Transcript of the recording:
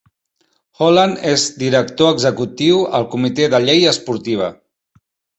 Holland és director executiu el Comitè de llei esportiva.